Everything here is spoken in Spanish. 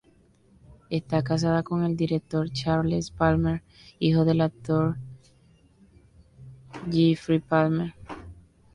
Está casada con el director Charles Palmer, hijo del actor Geoffrey Palmer.